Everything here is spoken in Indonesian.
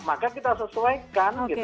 maka kita sesuaikan gitu